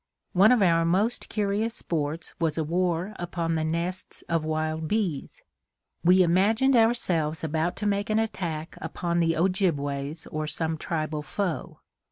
One of our most curious sports was a war upon the nests of wild bees. We imagined ourselves about to make an attack upon the Ojibways or some tribal foe.